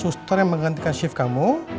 suster yang menggantikan shift kamu